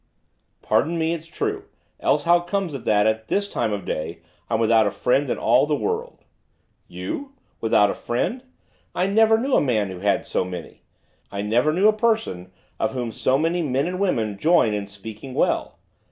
'Pardon me, it's true, else how comes it that, at this time of day, I'm without a friend in all the world?' 'You! without a friend! I never knew a man who had so many! I never knew a person of whom so many men and women join in speaking well!